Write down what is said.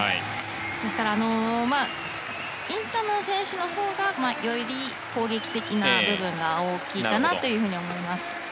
ですからインタノン選手のほうがより攻撃的な部分が大きいかなと思います。